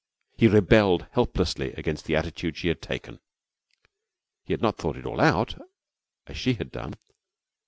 He rebelled helplessly against the attitude she had taken. He had not thought it all out, as she had done.